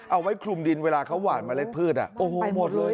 เอาไว้คลุมดินเวลาเขาหวานเมล็ดพืชโอ้โหหมดเลย